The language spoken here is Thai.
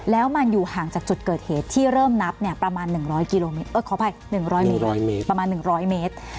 แล้วมันอยู่ห่างจากจุดเกิดเหตุที่เริ่มนับประมาณ๑๐๐เมตร